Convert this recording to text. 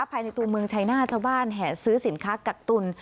ภายในตัวเมืองชายหน้าชาวบ้านแห่ซื้อสินค้ากักตุล